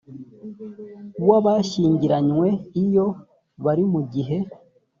w abashyingiranywe iyo bari mu gihe